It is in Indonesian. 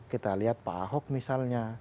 kita lihat pak ahok misalnya